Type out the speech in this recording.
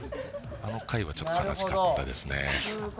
あの回はちょっと悲しかったですね。